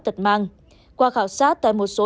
tật mang qua khảo sát tại một số